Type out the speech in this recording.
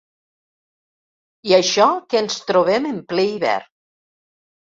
I això que ens trobem en ple hivern.